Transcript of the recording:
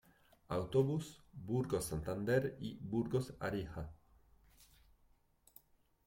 Autobús Burgos-Santander y Burgos-Arija.